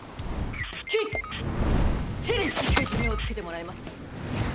きっちりけじめをつけてもらいます！